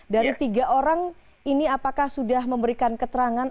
dari tiga orang ini apakah sudah memberikan keterangan